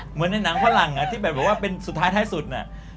เหมือนในหนังฝรั่งที่แบบว่าเป็นสุดท้ายท้ายสุดน่ะ